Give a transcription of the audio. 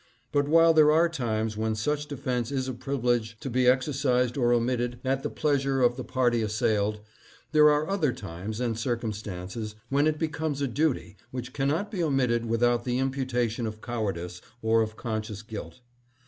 But while there are times when such defense is a privilege to be exercised or omitted at the pleasure of the party assailed, there are other times and circumstances when it becomes a duty which cannot be omitted without the imputation of cowardice or of con scious guilt.